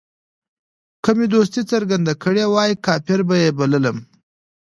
که مې دوستي څرګنده کړې وای کافر به یې بللم.